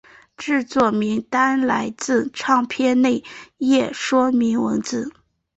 制作名单来自唱片内页说明文字。